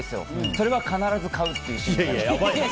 それは必ず買うっていう。